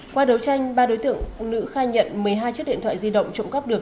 qua đấu tranh ba đối tượng nữ khai nhận một mươi hai chiếc điện thoại di động trộm cắp được